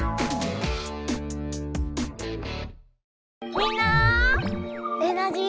みんなエナジー